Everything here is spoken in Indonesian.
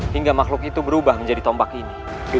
hingga makhluk itu berubah menjadi tombak ini